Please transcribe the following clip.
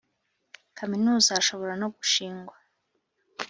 kaminuza Hashobora no gushingwa